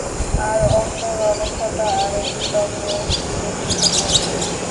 আর অন্তর অলসতা আর বিলম্বের দিকে ঝুঁকে পড়েছে।